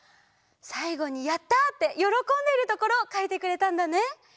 さいごに「やった」ってよろこんでるところをかいてくれたんだね。